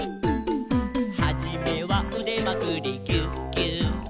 「はじめはうでまくりギューギュー」